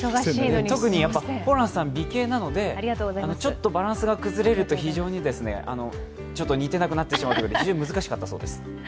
特にホランさん、美形なので、ちょっとバランスが崩れると非常に似てなくなってしまうということで、難しかったそうです。